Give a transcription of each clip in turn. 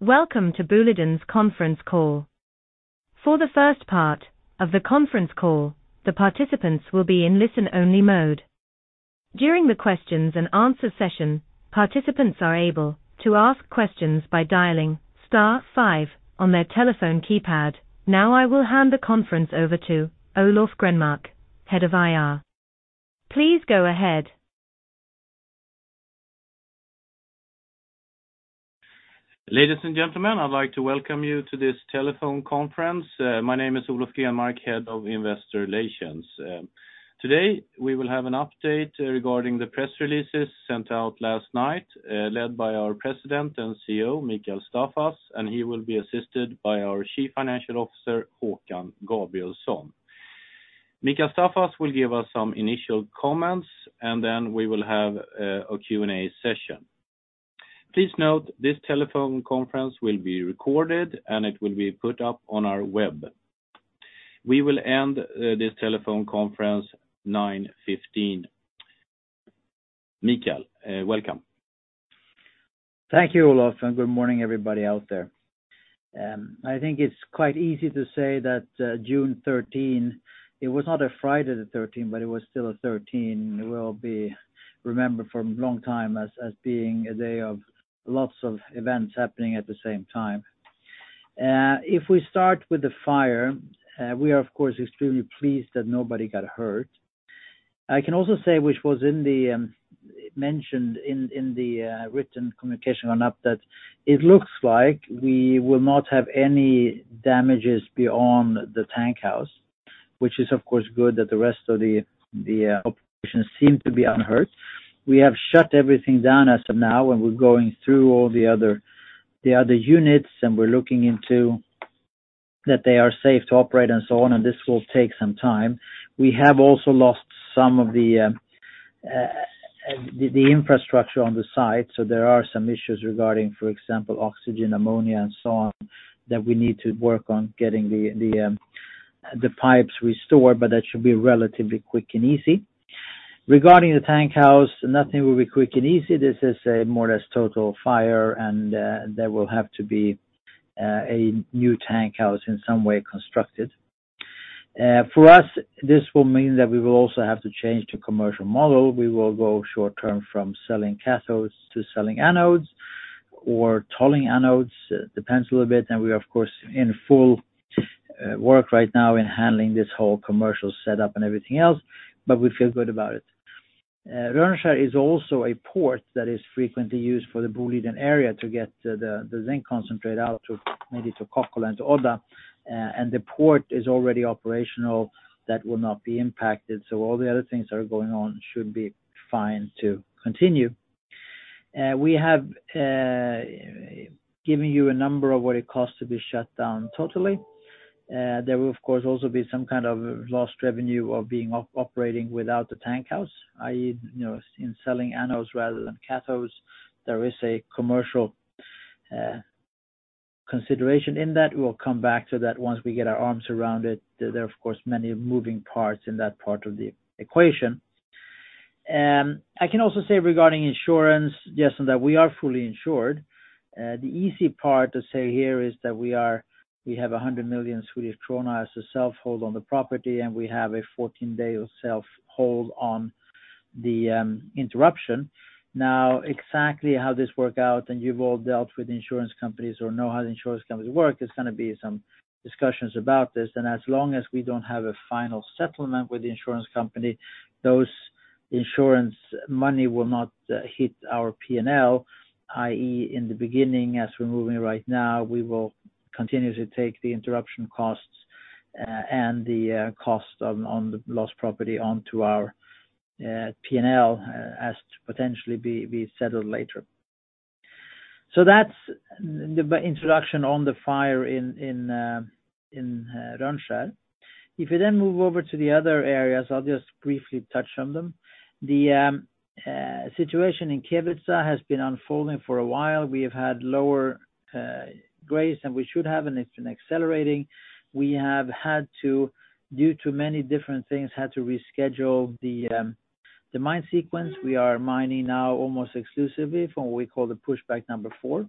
Welcome to Boliden's conference call. For the first part of the conference call, the participants will be in listen-only mode. During the questions and answer session, participants are able to ask questions by dialing star five on their telephone keypad. I will hand the conference over to Olof Grenmark, Head of IR. Please go ahead. Ladies and gentlemen, I'd like to welcome you to this telephone conference. My name is Olof Grenmark, Head of Investor Relations. Today, we will have an update regarding the press releases sent out last night, led by our President and CEO, Mikael Staffas, and he will be assisted by our Chief Financial Officer, Håkan Gabrielsson. Mikael Staffas will give us some initial comments, and then we will have a Q&A session. Please note, this telephone conference will be recorded, and it will be put up on our web. We will end this telephone conference 9:15 AM. Mikael, welcome. Thank you, Olof. Good morning, everybody out there. I think it's quite easy to say that June 13, it was not a Friday the 13th, it was still a 13, will be remembered for a long time as being a day of lots of events happening at the same time. If we start with the fire, we are, of course, extremely pleased that nobody got hurt. I can also say, which was in the mentioned in the written communication on up, that it looks like we will not have any damages beyond the tank house, which is, of course, good that the rest of the operations seem to be unhurt. We have shut everything down as of now. We're going through all the other units. We're looking into that they are safe to operate and so on. This will take some time. We have also lost some of the infrastructure on the site. There are some issues regarding, for example, oxygen, ammonia, and so on, that we need to work on getting the pipes restored. That should be relatively quick and easy. Regarding the tank house, nothing will be quick and easy. This is a more or less total fire. There will have to be a new tank house in some way constructed. For us, this will mean that we will also have to change the commercial model. We will go short term from selling cathodes to selling anodes or tolling anodes, depends a little bit, and we are, of course, in full work right now in handling this whole commercial setup and everything else, but we feel good about it. Rönnskär is also a port that is frequently used for the Boliden area to get the zinc concentrate out to, maybe to Kokkola and to Odda, and the port is already operational. That will not be impacted, all the other things that are going on should be fine to continue. We have given you a number of what it costs to be shut down totally. There will, of course, also be some kind of lost revenue of being operating without the tank house, i.e., you know, in selling anodes rather than cathodes. There is a commercial consideration in that. We will come back to that once we get our arms around it. There are, of course, many moving parts in that part of the equation. I can also say regarding insurance, yes, and that we are fully insured. The easy part to say here is that we have 100 million Swedish krona as a self-hold on the property, and we have a 14-day self-hold on the interruption. Now, exactly how this work out, and you've all dealt with insurance companies or know how the insurance companies work, there's gonna be some discussions about this. As long as we don't have a final settlement with the insurance company, those insurance money will not hit our P&L, i.e., in the beginning, as we're moving right now, we will continue to take the interruption costs, and the cost on the lost property onto our P&L, as to potentially be settled later. That's the introduction on the fire in Rönnskär. If you move over to the other areas, I'll just briefly touch on them. The situation in Kevitsa has been unfolding for a while. We have had lower grades, and we should have, and it's been accelerating. We have had to, due to many different things, had to reschedule the mine sequence. We are mining now almost exclusively from what we call the pushback number four,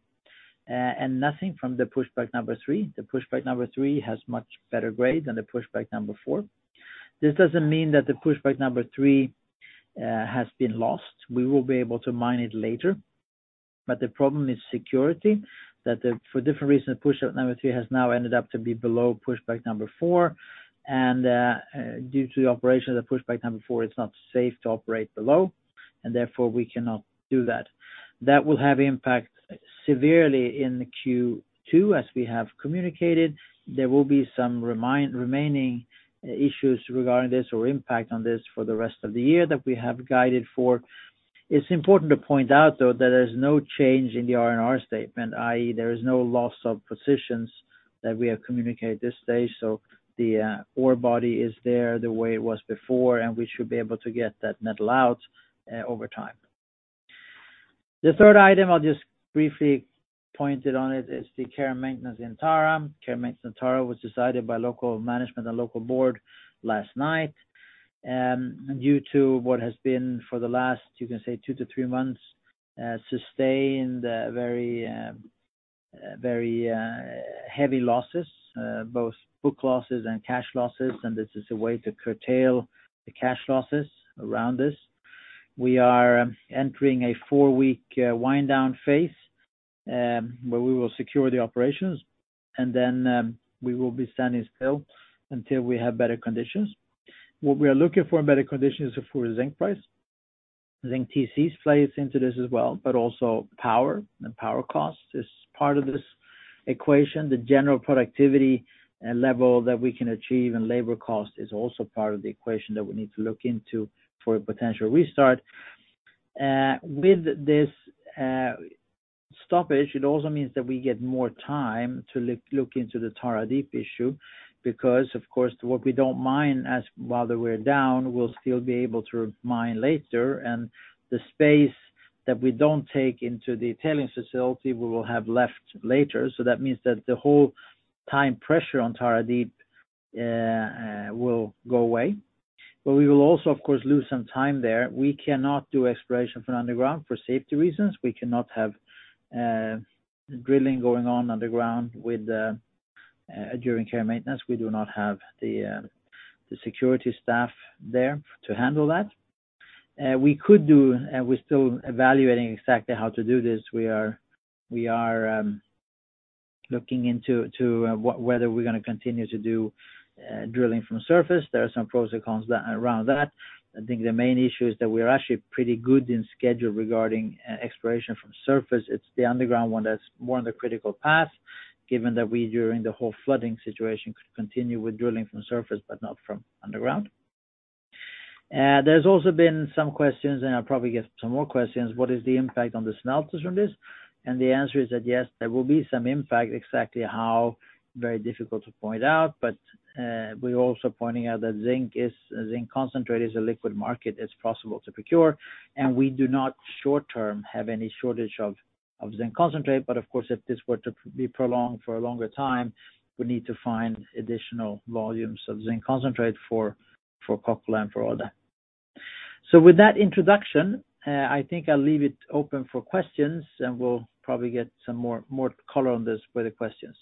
and nothing from the pushback number three. The pushback number three has much better grade than the pushback number four. This doesn't mean that the pushback number three has been lost. We will be able to mine it later, but the problem is security, that the, for different reasons, the pushback number three has now ended up to be below pushback number four, and due to the operations of pushback number four, it's not safe to operate below, and therefore, we cannot do that. That will have impact severely in Q2, as we have communicated. There will be some remaining issues regarding this or impact on this for the rest of the year that we have guided for. It's important to point out, though, that there's no change in the R&R statement, i.e., there is no loss of positions that we have communicated this stage, so the ore body is there the way it was before, and we should be able to get that metal out over time. The third item, I'll just briefly pointed on it is the care and maintenance in Tara. Care and maintenance in Tara was decided by local management and local board last night, due to what has been for the last, you can say two to three months, sustained, very, very heavy losses, both book losses and cash losses, and this is a way to curtail the cash losses around this. We are entering a four-week wind down phase, where we will secure the operations, and then, we will be standing still until we have better conditions. What we are looking for in better conditions is for zinc price. Zinc TC plays into this as well, but also power, and power cost is part of this equation. The general productivity and level that we can achieve, and labor cost is also part of the equation that we need to look into for a potential restart. With this stoppage, it also means that we get more time to look into the Tara Deep issue, because of course, what we don't mine while we're down, we'll still be able to mine later, and the space that we don't take into the tailings facility, we will have left later. That means that the whole time pressure on Tara Deep will go away. We will also, of course, lose some time there. We cannot do exploration from underground for safety reasons. We cannot have drilling going on underground with during care and maintenance. We do not have the security staff there to handle that. We could do, and we're still evaluating exactly how to do this. We are looking into whether we're gonna continue to do drilling from surface. There are some pros and cons around that. I think the main issue is that we are actually pretty good in schedule regarding exploration from surface. It's the underground one that's more on the critical path, given that we, during the whole flooding situation, could continue with drilling from surface, but not from underground. There's also been some questions, and I'll probably get some more questions, what is the impact on the smelters from this? The answer is that yes, there will be some impact. Exactly how, very difficult to point out, but we're also pointing out that zinc concentrate is a liquid market, it's possible to procure, and we do not short term have any shortage of zinc concentrate. Of course, if this were to be prolonged for a longer time, we'd need to find additional volumes of zinc concentrate for Kokkola and for Odda. With that introduction, I think I'll leave it open for questions, and we'll probably get some more color on this with the questions.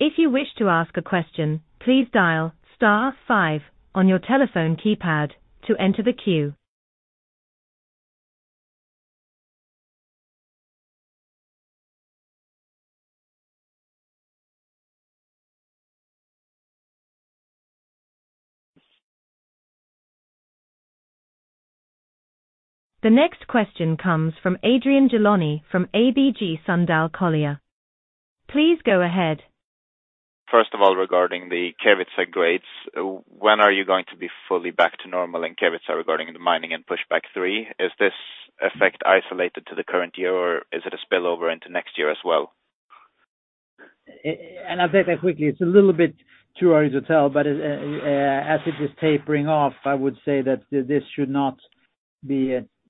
If you wish to ask a question, please dial star five on your telephone keypad to enter the queue. The next question comes from Adrian Gilani from ABG Sundal Collier. Please go ahead. Regarding the Kevitsa grades, when are you going to be fully back to normal in Kevitsa regarding the mining and pushback three? Is this effect isolated to the current year, or is it a spill over into next year as well? I'll take that quickly. It's a little bit too early to tell, but as it is tapering off, I would say that this should not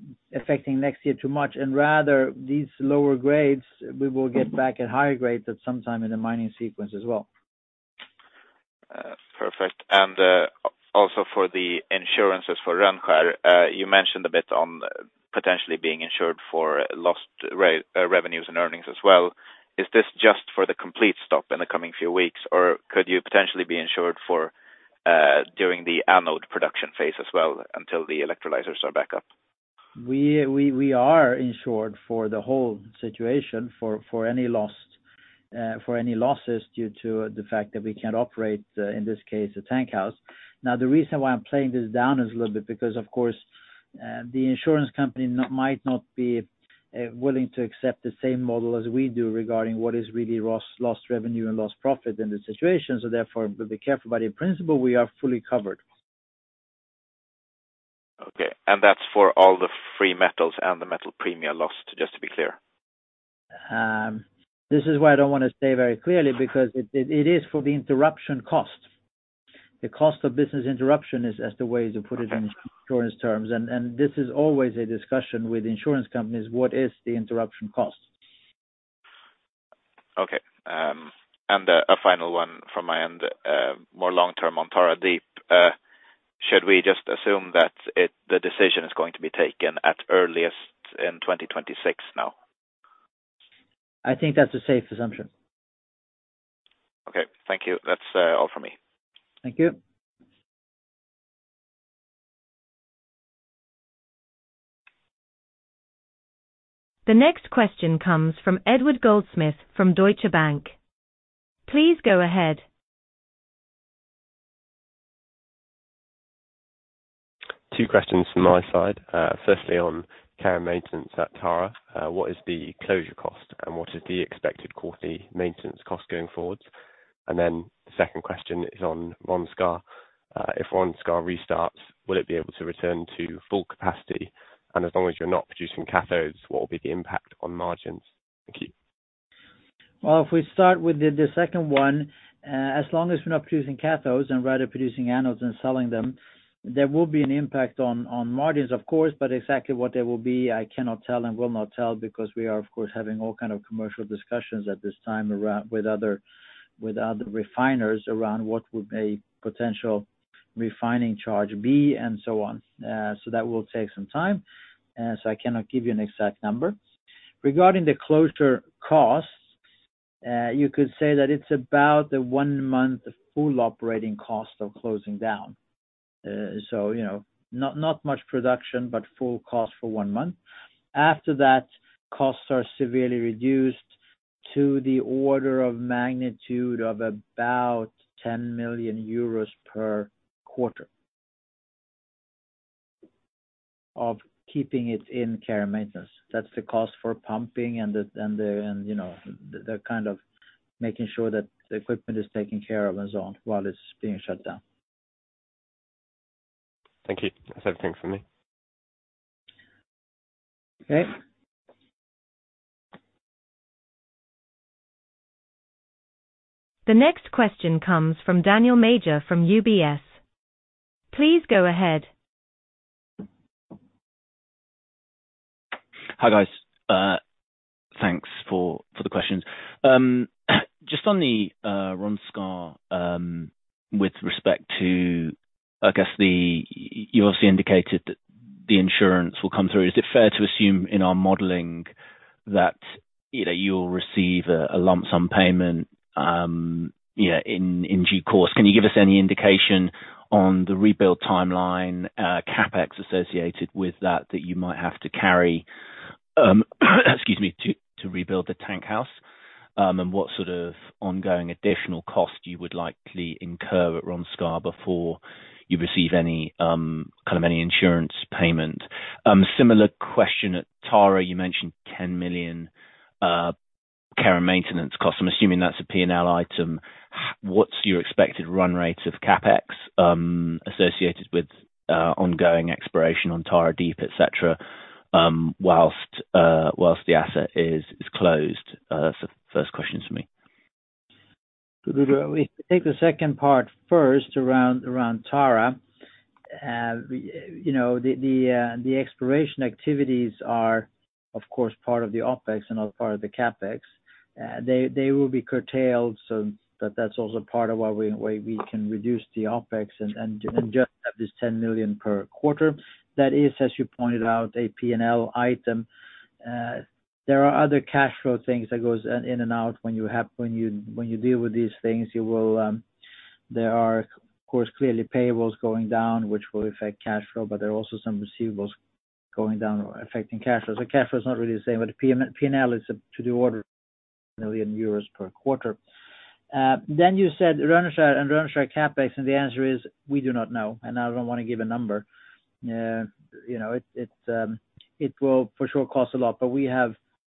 be affecting next year too much, and rather, these lower grades, we will get back at higher grades at some time in the mining sequence as well. Perfect. Also for the insurances for Rönnskär, you mentioned a bit on potentially being insured for lost revenues and earnings as well. Is this just for the complete stop in the coming few weeks, or could you potentially be insured for during the anode production phase as well, until the electrolyzers are back up? We are insured for the whole situation, for any lost for any losses due to the fact that we can't operate in this case, a tank house. The reason why I'm playing this down is a little bit because, of course, the insurance company might not be willing to accept the same model as we do regarding what is really loss, lost revenue and lost profit in this situation. Therefore, we'll be careful, but in principle, we are fully covered. Okay, that's for all the free metals and the metal premium lost, just to be clear? This is why I don't want to say very clearly, because it is for the interruption cost. The cost of business interruption is the way to put it in insurance terms, and this is always a discussion with insurance companies, what is the interruption cost? Okay, a final one from my end, more long term on Tara Deep. Should we just assume that the decision is going to be taken at earliest in 2026 now? I think that's a safe assumption. Okay, thank you. That's all for me. Thank you. The next question comes from Edward Goldsmith from Deutsche Bank. Please go ahead. Two questions from my side. Firstly, on care and maintenance at Tara, what is the closure cost, and what is the expected quarterly maintenance cost going forward? The second question is on Rönnskär. If Rönnskär restarts, will it be able to return to full capacity? As long as you're not producing cathodes, what will be the impact on margins? Thank you. Well, if we start with the second one, as long as we're not producing cathodes and rather producing anodes and selling them, there will be an impact on margins, of course, but exactly what they will be, I cannot tell and will not tell, because we are of course, having all kind of commercial discussions at this time around with other refiners around what would a potential refining charge be and so on. That will take some time, so I cannot give you an exact number. Regarding the closure costs, you could say that it's about the one month full operating cost of closing down. You know, not much production, but full cost for one month. After that, costs are severely reduced to the order of magnitude of about 10 million euros per quarter. Of keeping it in care and maintenance. That's the cost for pumping and, you know, the kind of making sure that the equipment is taken care of and so on, while it's being shut down. Thank you. That's everything for me. Okay. The next question comes from Daniel Major, from UBS. Please go ahead. Hi, guys. Thanks for the questions. Just on the Rönnskär, with respect to, I guess, the... You obviously indicated that the insurance will come through. Is it fair to assume in our modeling that, you know, you'll receive a lump sum payment, yeah, in due course? Can you give us any indication on the rebuild timeline, CapEx associated with that you might have to carry, excuse me, to rebuild the tank house? What sort of ongoing additional cost you would likely incur at Rönnskär before you receive any kind of any insurance payment? Similar question at Tara, you mentioned 10 million care and maintenance cost. I'm assuming that's a P&L item. What's your expected run rate of CapEx associated with ongoing exploration on Tara Deep, et cetera, whilst the asset is closed? First questions for me. We take the second part first, around Tara. We, you know, the exploration activities are, of course, part of the OpEx and not part of the CapEx. They will be curtailed, but that's also part of why we can reduce the OpEx and just have this 10 million per quarter. That is, as you pointed out, a P&L item. There are other cash flow things that goes in and out when you deal with these things, you will, there are, of course, clearly payables going down, which will affect cash flow, but there are also some receivables going down affecting cash flows. The cash flow is not really the same, but the P&L is to the order of million euros per quarter. You said Rönnskär and Rönnskär CapEx. The answer is, we do not know. I don't want to give a number. You know, it will for sure cost a lot, but we have,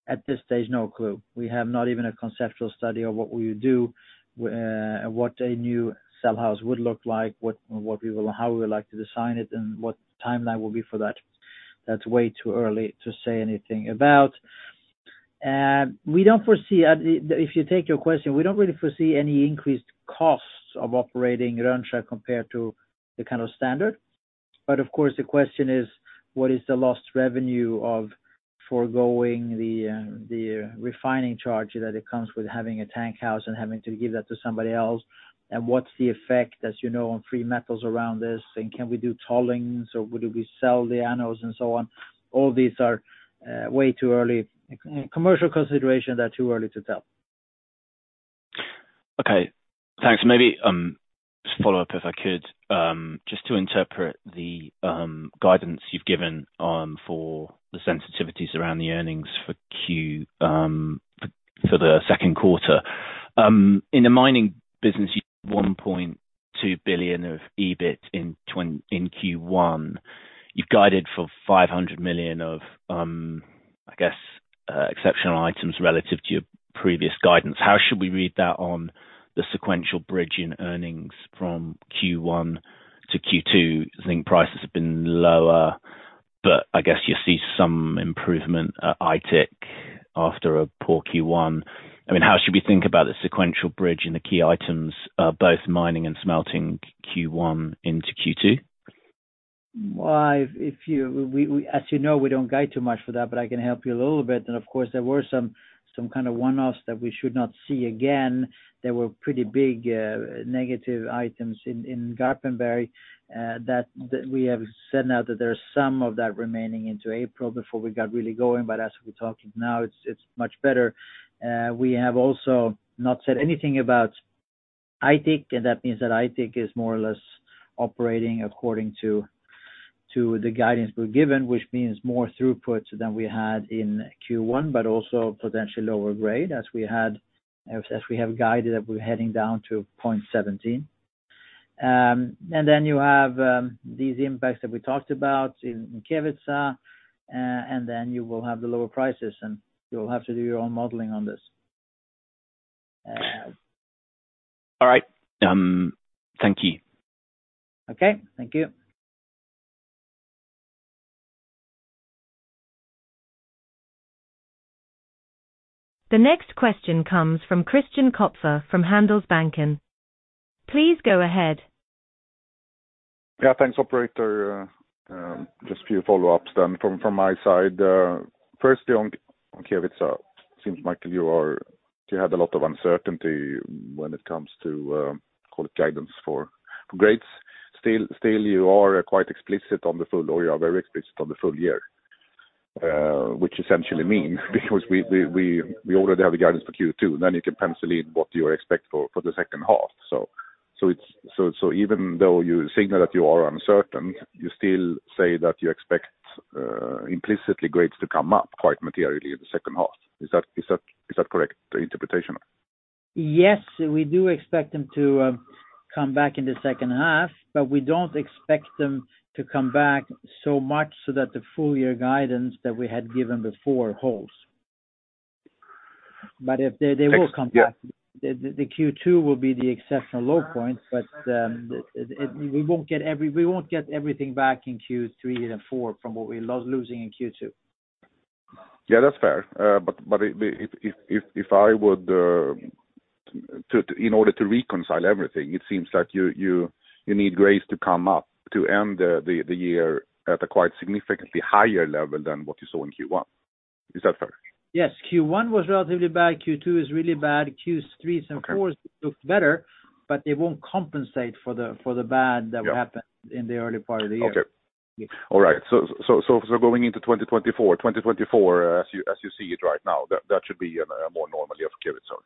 at this stage, no clue. We have not even a conceptual study of what we would do, what a new cell house would look like, how we would like to design it, and what timeline will be for that. That's way too early to say anything about. We don't foresee, if you take your question, we don't really foresee any increased costs of operating Rönnskär compared to the kind of standard. Of course, the question is: What is the lost revenue of foregoing the refining charge that it comes with having a tank house and having to give that to somebody else? What's the effect, as you know, on three metals around this? Can we do tolling or would we sell the anodes and so on? All these are way too early. Commercial considerations are too early to tell. Okay, thanks. Maybe, just follow up if I could. Just to interpret the guidance you've given for the sensitivities around the earnings for the second quarter. In the mining business, you've 1.2 billion of EBIT in Q1. You've guided for 500 million of, I guess, exceptional items relative to your previous guidance. How should we read that on the sequential bridge in earnings from Q1 to Q2? I think prices have been lower, but I guess you see some improvement at Aitik after a poor Q1. I mean, how should we think about the sequential bridge in the key items, both mining and smelting Q1 into Q2? If you know, we don't guide too much for that, but I can help you a little bit. Of course, there were some kind of one-offs that we should not see again. There were pretty big negative items in Garpenberg that we have said now that there are some of that remaining into April before we got really going, but as we're talking now, it's much better. We have also not said anything about Aitik, that means that Aitik is more or less operating according to the guidance we've given, which means more throughput than we had in Q1, but also potentially lower grade, as we have guided, that we're heading down to 0.17. You have these impacts that we talked about in Kevitsa, and then you will have the lower prices, and you will have to do your own modeling on this. All right. Thank you. Okay, thank you. The next question comes from Christian Kopfer, from Handelsbanken. Please go ahead. Thanks, operator. Just a few follow-ups then from my side. Firstly, on Kevitsa, seems like you had a lot of uncertainty when it comes to call it guidance for grades. Still, you are quite explicit on the full, or you are very explicit on the full year. Which essentially means because we already have the guidance for Q2, then you can pencil in what you expect for the second half. Even though you signal that you are uncertain, you still say that you expect implicitly grades to come up quite materially in the second half. Is that correct, the interpretation? Yes, we do expect them to come back in the second half, but we don't expect them to come back so much so that the full year guidance that we had given before holds. If they will come back. Yeah. The Q2 will be the exceptional low point, but it, we won't get everything back in Q3 and Q4 from what we losing in Q2. Yeah, that's fair. If I would, in order to reconcile everything, it seems like you need grades to come up to end the year at a quite significantly higher level than what you saw in Q1. Is that fair? Yes. Q1 was relatively bad. Q2 is really bad. Q3s and... Okay. Fours look better, but they won't compensate for the bad- Yeah that happened in the early part of the year. Okay. All right. Going into 2024, as you see it right now, that should be a more normal year for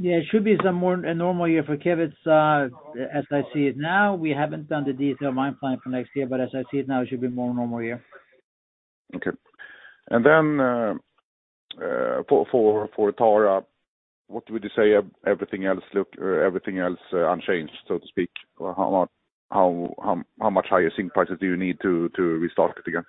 Kevitsa. It should be some more a normal year for Kevitsa, as I see it now, we haven't done the detailed mine plan for next year, but as I see it now, it should be more normal year. Okay. For Odda, what would you say, everything else look, everything else unchanged, so to speak? How much higher zinc prices do you need to restart it again?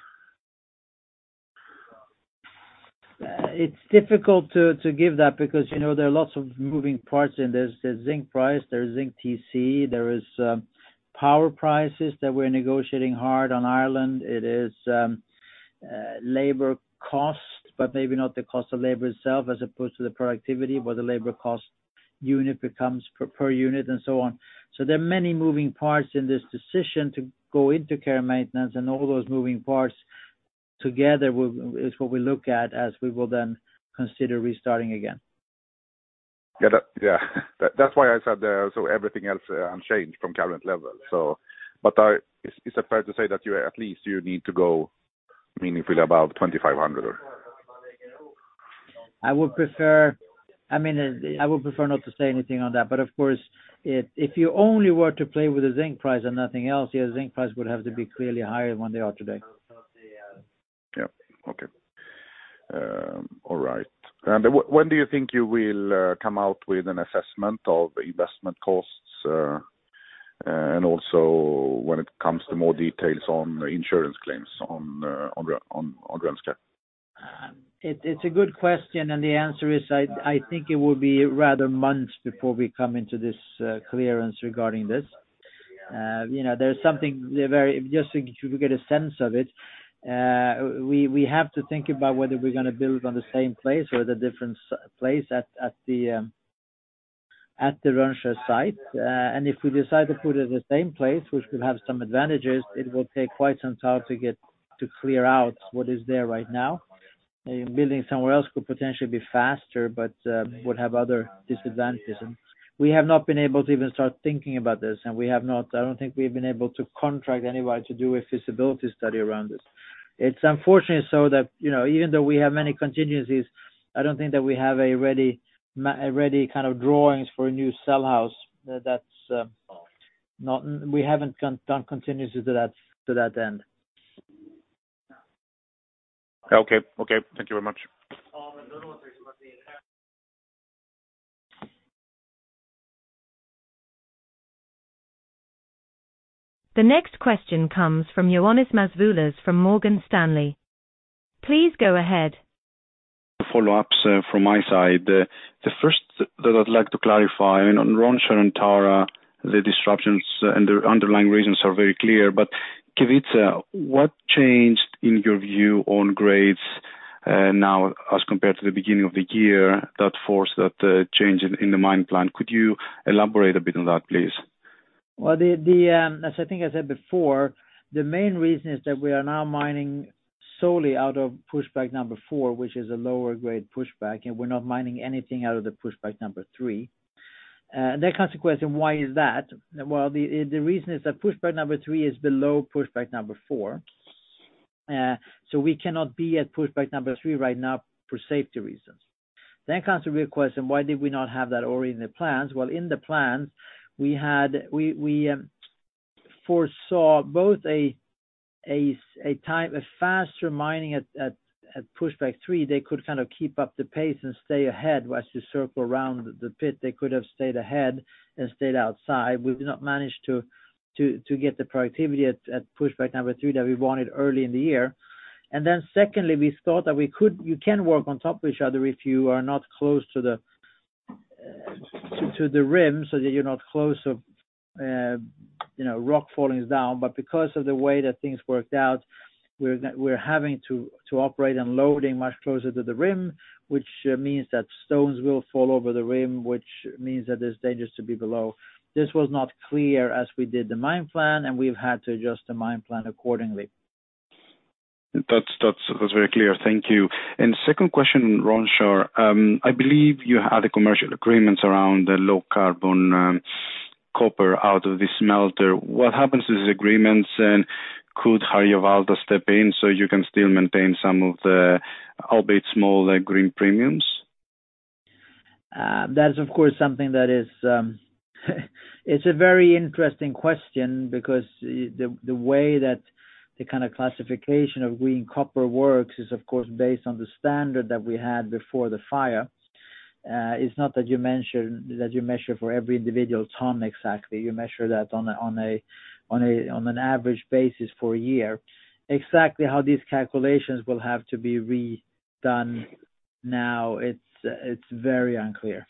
It's difficult to give that because, you know, there are lots of moving parts in this. There's zinc price, there's zinc TC, there is power prices that we're negotiating hard on Odda. It is labor costs, but maybe not the cost of labor itself as opposed to the productivity, but the labor cost unit becomes per unit and so on. There are many moving parts in this decision to go into care and maintenance, and all those moving parts together with, is what we look at as we will then consider restarting again. Yeah, that's why I said, so everything else unchanged from current level. Is it fair to say that you at least you need to go meaningfully above 2,500? I would prefer, I mean, I would prefer not to say anything on that. Of course, if you only were to play with the zinc price and nothing else, yeah, the zinc price would have to be clearly higher than what they are today. Yeah. Okay. All right. When do you think you will come out with an assessment of investment costs and also when it comes to more details on the insurance claims on Rönnskär? It's a good question, and the answer is, I think it will be rather months before we come into this clearance regarding this. You know, there's something. Just to get a sense of it, we have to think about whether we're gonna build on the same place or the different place at the Rönnskär site. If we decide to put it in the same place, which could have some advantages, it will take quite some time to get to clear out what is there right now. Building somewhere else could potentially be faster, but would have other disadvantages. We have not been able to even start thinking about this, and I don't think we've been able to contract anybody to do a feasibility study around this.It's unfortunately so that, you know, even though we have many contingencies, I don't think that we have a ready kind of drawings for a new Cell house. That's not, we haven't done continuously to that end. Okay. Thank you very much. The next question comes from Ioannis Masvoulas from Morgan Stanley. Please go ahead. Follow-ups from my side. The first that I'd like to clarify, I mean, on Rönnskär and Tara, the disruptions and the underlying reasons are very clear. Kevitsa, what changed in your view on grades now as compared to the beginning of the year, that forced that change in the mine plan? Could you elaborate a bit on that, please? Well, the, as I think I said before, the main reason is that we are now mining solely out of pushback number 4, we're not mining anything out of the pushback number 3. Comes the question, why is that? Well, the reason is that pushback number 3 is below pushback number 4. We cannot be at pushback number 3 right now for safety reasons. Comes the real question: why did we not have that already in the plans? Well, in the plans, we had. We foresaw both a, a time, a faster mining at, at pushback 3. They could kind of keep up the pace and stay ahead whilst they circle around the pit, they could have stayed ahead and stayed outside. We've not managed to get the productivity at pushback number three that we wanted early in the year. Secondly, we thought that you can work on top of each other if you are not close to the rim so that you're not close of, you know, rock fallings down. Because of the way that things worked out, we're having to operate and loading much closer to the rim, which means that stones will fall over the rim, which means that it's dangerous to be below. This was not clear as we did the mine plan, and we've had to adjust the mine plan accordingly. That's very clear. Thank you. Second question, Rönnskär. I believe you had a commercial agreements around the low carbon copper out of this smelter. What happens to these agreements, and could Harjavalta step in so you can still maintain some of the, albeit small, green premiums? That is, of course, something that is, it's a very interesting question because the, the way that the kind of classification of Green Copper works is, of course, based on the standard that we had before the fire. It's not that you measure for every individual ton exactly, you measure that on an average basis for a year. Exactly how these calculations will have to be redone now, it's very unclear.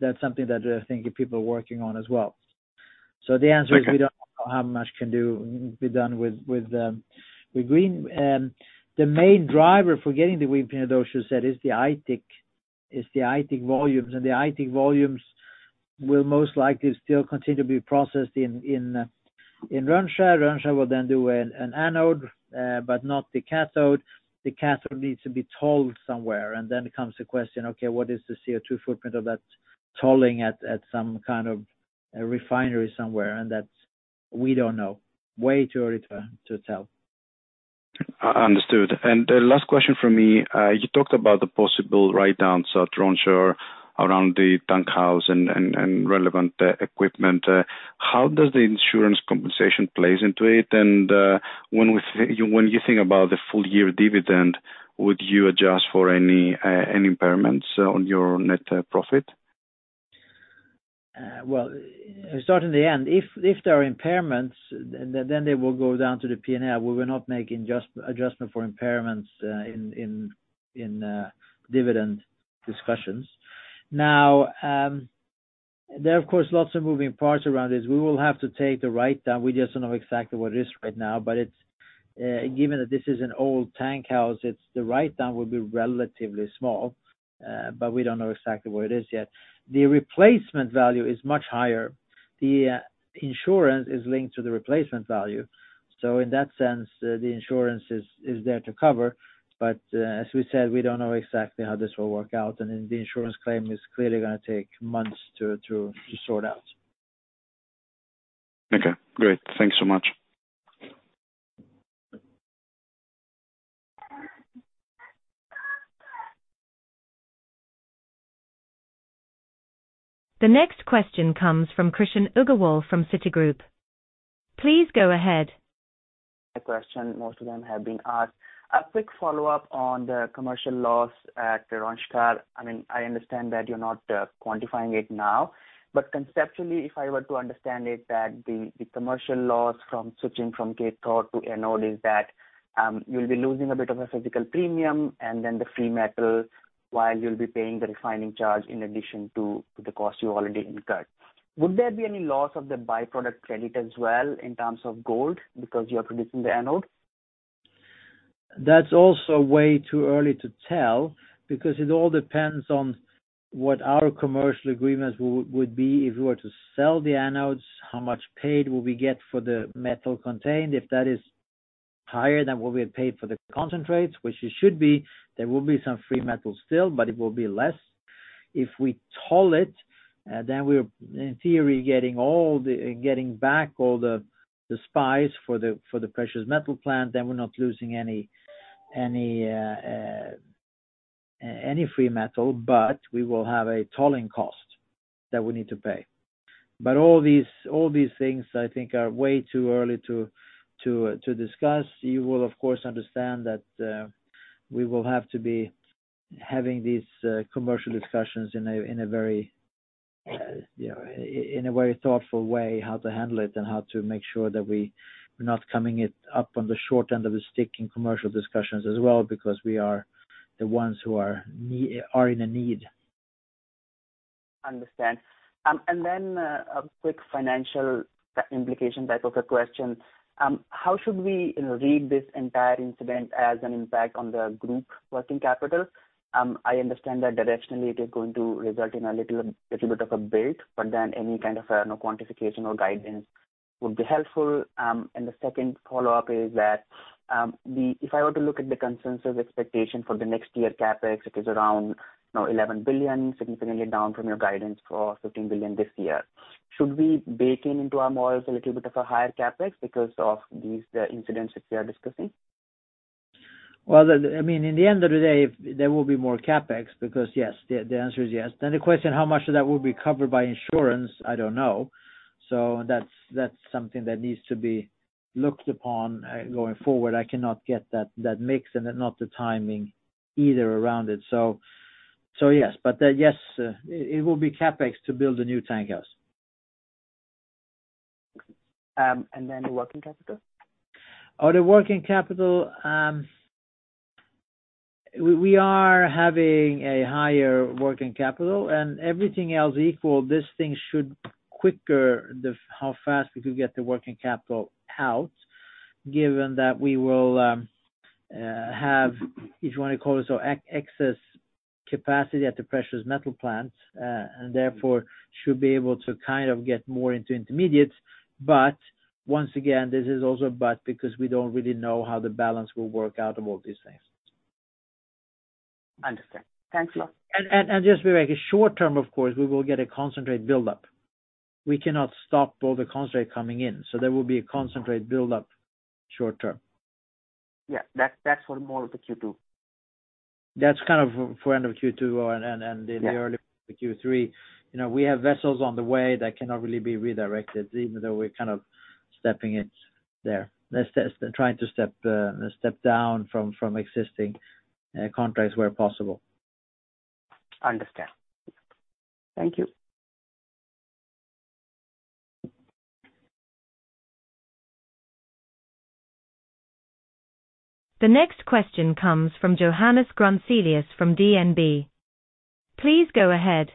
That's something that I think people are working on as well. Okay. We don't know how much can do, be done with green. The main driver for getting the green pin, as you said, is the Aitik volumes, and the Aitik volumes will most likely still continue to be processed in Rönnskär. Rönnskär will then do an anode, but not the cathode. The cathode needs to be tolled somewhere, and then comes the question, okay, what is the CO2 footprint of that tolling at some kind of a refinery somewhere? That's, we don't know. Way too early to tell. Understood. The last question from me, you talked about the possible write-downs at Rönnskär around the tank house and relevant equipment. How does the insurance compensation play into it? When you think about the full year dividend, would you adjust for any impairments on your net profit? Well, start in the end. If there are impairments, then they will go down to the P&L. We will not make adjustment for impairments in dividend discussions. There are, of course, lots of moving parts around this. We will have to take the write-down. We just don't know exactly what it is right now, but it's given that this is an old tank house, the write-down will be relatively small, but we don't know exactly what it is yet. The replacement value is much higher. The insurance is linked to the replacement value. In that sense, the insurance is there to cover, but as we said, we don't know exactly how this will work out, and the insurance claim is clearly gonna take months to sort out. Okay, great. Thanks so much. The next question comes from Krishan Agarwal from Citigroup. Please go ahead. The question most of them have been asked. A quick follow-up on the commercial loss at Rönnskär. I mean, I understand that you're not quantifying it now, but conceptually, if I were to understand it, that the commercial loss from switching from cathode to anode is that you'll be losing a bit of a physical premium and then the free metal, while you'll be paying the refining charge in addition to the cost you already incurred. Would there be any loss of the by-product credit as well, in terms of gold, because you are producing the anode? That's also way too early to tell, because it all depends on what our commercial agreements would be. If we were to sell the anodes, how much paid will we get for the metal contained? If that is higher than what we have paid for the concentrates, which it should be, there will be some free metal still, but it will be less. If we toll it, then we're in theory, getting back all the spares for the precious metals plant, then we're not losing any free metal, but we will have a tolling cost that we need to pay. All these things, I think, are way too early to discuss. You will, of course, understand that we will have to be having these commercial discussions in a very, you know, in a very thoughtful way, how to handle it, and how to make sure that we're not coming it up on the short end of the stick in commercial discussions as well, because we are the ones who are in a need. Understand. A quick financial implication type of a question. How should we read this entire incident as an impact on the group working capital? I understand that directionally it is going to result in a little bit of a build, any kind of, no quantification or guidance would be helpful. The second follow-up is that, If I were to look at the consensus expectation for the next year, CapEx, it is around, you know, 11 billion, significantly down from your guidance for 15 billion this year. Should we bake in into our models a little bit of a higher CapEx because of these incidents that we are discussing? Well, I mean, in the end of the day, there will be more CapEx because, yes, the answer is yes. The question, how much of that will be covered by insurance? I don't know. That's something that needs to be looked upon going forward. I cannot get that mix not the timing either around it. Yes, yes, it will be CapEx to build a new tank house. Then the working capital? The working capital, we are having a higher working capital. Everything else equal, this thing should quicker, how fast we could get the working capital out, given that we will have, if you want to call it, so, excess capacity at the precious metal plants, and therefore should be able to kind of get more into intermediates. Once again, this is also a but because we don't really know how the balance will work out of all these things. Understood. Thanks a lot. Just to be like, short term, of course, we will get a concentrate buildup. We cannot stop all the concentrate coming in, so there will be a concentrate buildup short term. Yeah, that's for more of the Q2. That's kind of for end of Q2 and the early Q3. You know, we have vessels on the way that cannot really be redirected, even though we're kind of stepping it there. Let's try to step down from existing contracts where possible. Understand. Thank you. The next question comes from Johannes Grunselius from DNB. Please go ahead.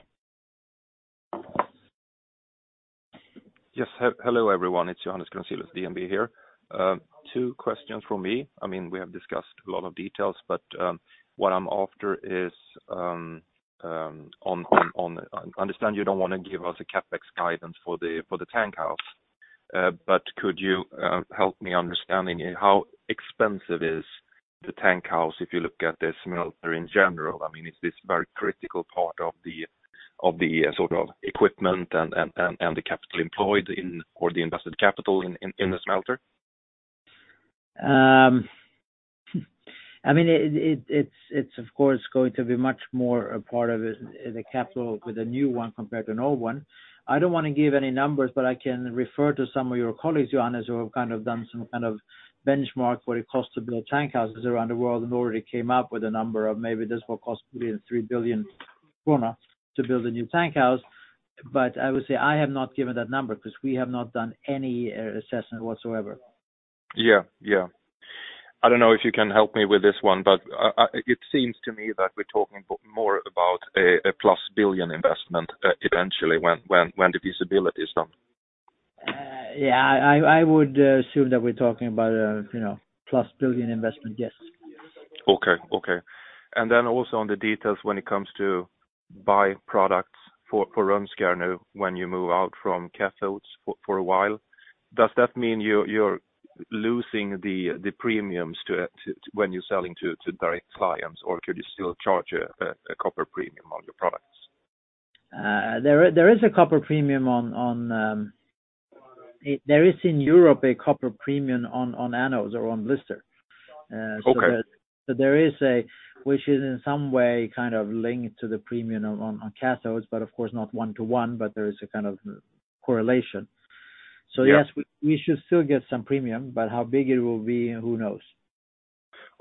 Yes. Hello, everyone, it's Johannes Grunselius, DNB here. Two questions from me. I mean, we have discussed a lot of details, but what I'm after is on. I understand you don't want to give us a CapEx guidance for the tank house. Could you help me understanding how expensive is the tank house if you look at the smelter in general? I mean, is this very critical part of the sort of equipment and the capital employed in or the invested capital in the smelter? I mean, it's of course, going to be much more a part of it, the capital with a new one compared to an old one. I don't want to give any numbers, but I can refer to some of your colleagues, Johannes, who have kind of done some kind of benchmark, what it costs to build tank houses around the world, and already came up with a number of maybe this will cost between 3 billion krona to build a new tank house. I would say I have not given that number because we have not done any assessment whatsoever. Yeah. I don't know if you can help me with this one, but, it seems to me that we're talking more about a 1+ billion investment, eventually, when the feasibility is done. Yeah, I would assume that we're talking about, you know, plus 1 billion investment, yes. Okay. Okay. Also on the details when it comes to by-products for Rönnskär, when you move out from cathodes for a while, does that mean you're losing the premiums to it, when you're selling to direct clients, or could you still charge a copper premium on your products? There is a copper premium on, there is in Europe, a copper premium on anodes or on blister. Okay. There is a, which is in some way kind of linked to the premium on cathodes, but of course, not one to one, but there is a kind of correlation. Yeah. Yes, we should still get some premium, but how big it will be, who knows?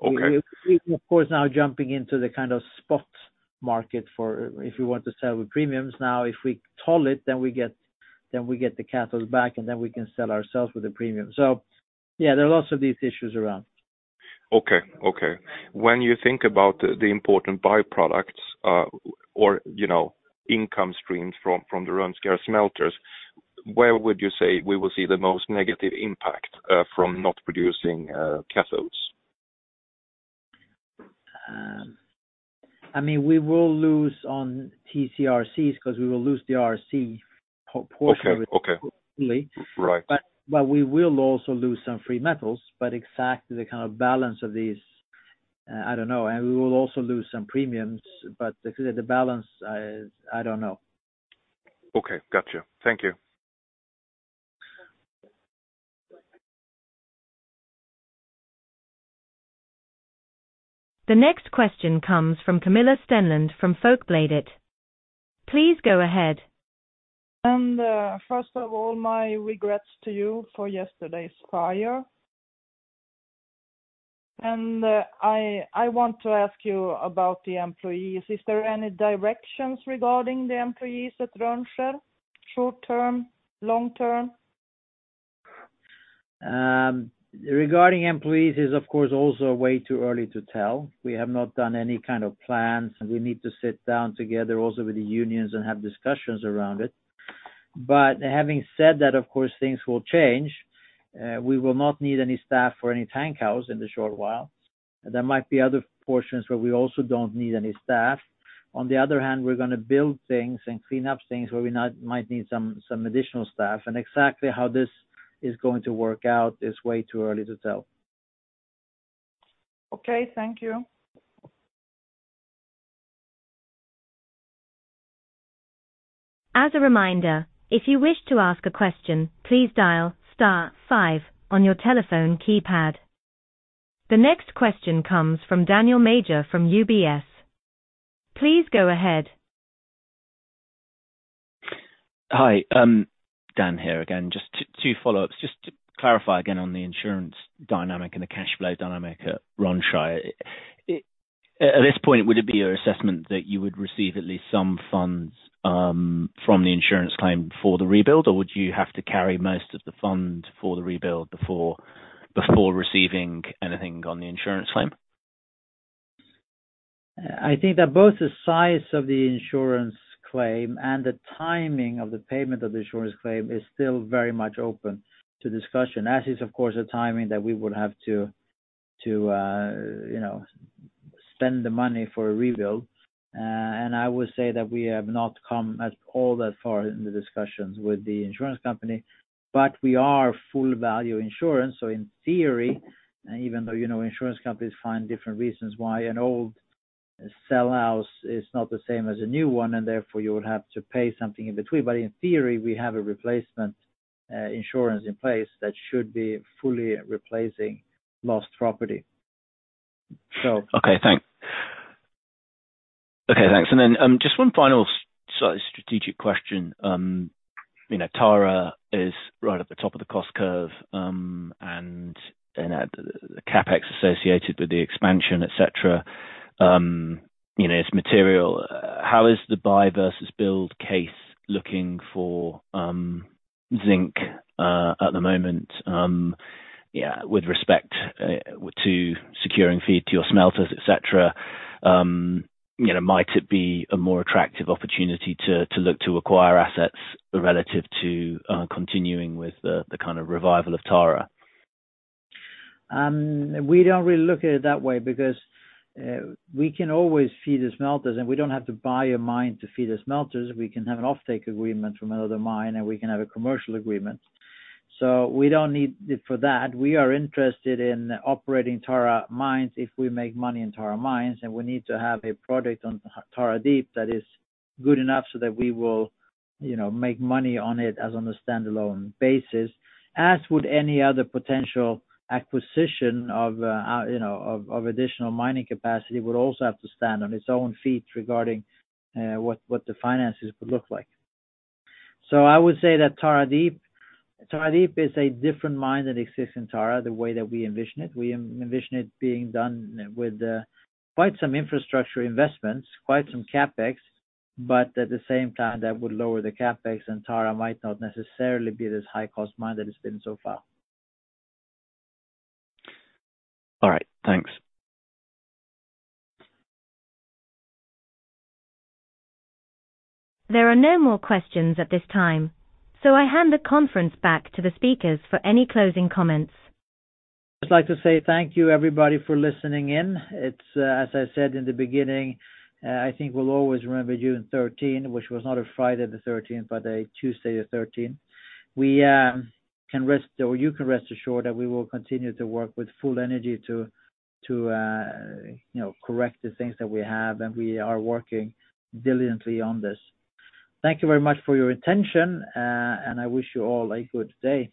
Okay. We, of course, now jumping into the kind of spot market for if we want to sell with premiums. Now, if we toll it, then we get the cathodes back, and then we can sell ourselves with a premium. Yeah, there are lots of these issues around. Okay, okay. When you think about the important by-products, or, you know, income streams from the Rönnskär smelters, where would you say we will see the most negative impact, from not producing, cathodes? I mean, we will lose on TCRCs because we will lose the RC portion. Okay. Right. We will also lose some free metals. Exactly the kind of balance of these, I don't know. We will also lose some premiums, but the balance, I don't know. Okay, gotcha. Thank you. The next question comes from Camilla Stenlund, from Folkbladet. Please go ahead. First of all, my regrets to you for yesterday's fire. I want to ask you about the employees. Is there any directions regarding the employees at Rönnskär? Short term, long term? Regarding employees, is, of course, also way too early to tell. We have not done any kind of plans, we need to sit down together, also with the unions, and have discussions around it. Having said that, of course, things will change. We will not need any staff or any tank house in the short while. There might be other portions where we also don't need any staff. On the other hand, we're going to build things and clean up things where we might need some additional staff, and exactly how this is going to work out is way too early to tell. Okay, thank you. As a reminder, if you wish to ask a question, please dial star five on your telephone keypad. The next question comes from Daniel Major from UBS. Please go ahead. Hi, Dan, here again, just two follow-ups. Just to clarify again on the insurance dynamic and the cash flow dynamic at Rönnskär. At this point, would it be your assessment that you would receive at least some funds from the insurance claim for the rebuild? Or would you have to carry most of the fund for the rebuild before receiving anything on the insurance claim? I think that both the size of the insurance claim and the timing of the payment of the insurance claim is still very much open to discussion, as is, of course, the timing that we would have to spend the money for a rebuild. I would say that we have not come at all that far in the discussions with the insurance company, but we are full value insurance. In theory, even though, you know, insurance companies find different reasons why an old cell house is not the same as a new one, therefore you would have to pay something in between. In theory, we have a replacement insurance in place that should be fully replacing lost property. Okay, thanks. Okay, thanks. Just one final sort of strategic question. You know, Tara is right at the top of the cost curve, and the CapEx associated with the expansion, et cetera, you know, it's material. How is the buy versus build case looking for zinc at the moment? Yeah, with respect to securing feed to your smelters, et cetera. You know, might it be a more attractive opportunity to look to acquire assets relative to continuing with the kind of revival of Tara? We don't really look at it that way because we can always feed the smelters. We don't have to buy a mine to feed the smelters. We can have an offtake agreement from another mine. We can have a commercial agreement. We don't need for that. We are interested in operating Tara Mines, if we make money in Tara Mines. We need to have a product on Tara Deep that is good enough so that we will, you know, make money on it as on a standalone basis, as would any other potential acquisition of, you know, of additional mining capacity, would also have to stand on its own feet regarding what the finances would look like. I would say that Tara Deep is a different mine that exists in Tara, the way that we envision it. We envision it being done with, quite some infrastructure investments, quite some CapEx, but at the same time, that would lower the CapEx, and Tara might not necessarily be this high-cost mine that it's been so far. All right, thanks. There are no more questions at this time, so I hand the conference back to the speakers for any closing comments. Just like to say thank you, everybody, for listening in. It's, as I said in the beginning, I think we'll always remember June 13, which was not a Friday the 13th, but a Tuesday the 13th. We can rest or you can rest assured that we will continue to work with full energy to, you know, correct the things that we have, and we are working diligently on this. Thank you very much for your attention, and I wish you all a good day.